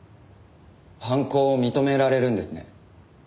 犯行を認められるんですね？